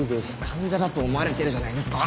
患者だと思われてるじゃないですか。